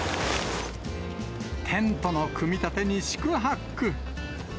テントの組み立てに四苦八苦。